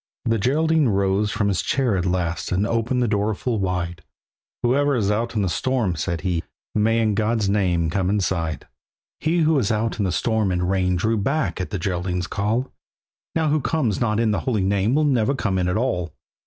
The Geraldine rose from his chair at last And opened the door full wide; "Whoever is out in the storm," said he, "May in God's name come inside!" He who was out in the storm and rain Drew back at the Geraldine's call. "Now who comes not in the Holy Name Will never come in at all."